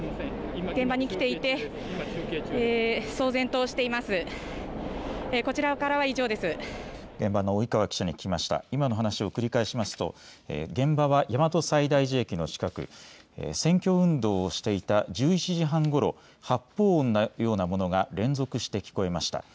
今の話を繰り返しますと現場は大和西大寺駅の近く、選挙運動をしていた１１時半ごろ、発砲音のようなものが連続して聞こえました。